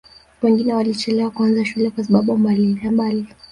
wengine walichelewa kuanza shule kwa sababu mbalimbali